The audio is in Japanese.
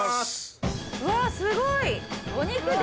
うわすごい！